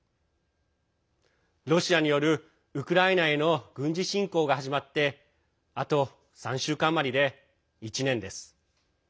ロシアによる、ウクライナへの軍事侵攻が始まってあと３週間余りで１年です。